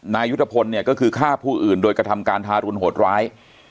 นายยุทธพลเนี่ยก็คือฆ่าผู้อื่นโดยกระทำการทารุณโหดร้าย